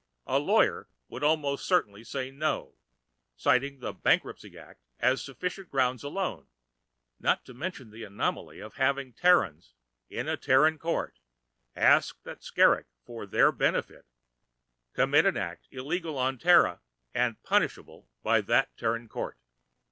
A lawyer would almost certainly say "no," citing the Bankruptcy Act as sufficient grounds alone, not to mention the anomaly of having Terrans, in a Terran court, ask that Skrrgck, for their benefit, commit an act illegal on Terra and punishable by that Terran court.